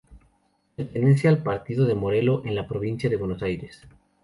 Pertenece al partido de Merlo en la provincia de Buenos Aires.